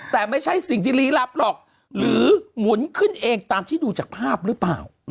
แต่ไม่ใช่สิ่งที่ลี้ลับหรอกหรือหมุนขึ้นเองตามที่ดูจากภาพหรือเปล่า